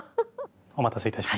お待たせいたしました。